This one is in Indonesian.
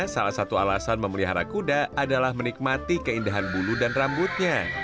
salah satu alasan memelihara kuda adalah menikmati keindahan bulu dan rambutnya